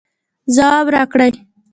ځواب راکړئ